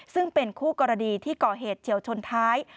ซึ่งเป็นคู่กรณีที่ก่อเหตุเฉียวชนท้าย